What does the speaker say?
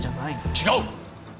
違う！